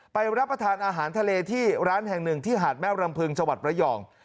รับประทานอาหารทะเลที่ร้านแห่งหนึ่งที่หาดแม่รำพึงจังหวัดระยอง